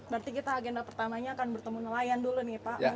berarti kita agenda pertamanya akan bertemu nelayan dulu nih pak